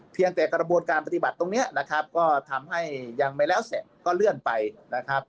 เพียงแต่กระบวนการปฏิบัติตรงนี้นะครับก็ทำให้ยังไม่แล้วเสร็จก็เลื่อนไปนะครับ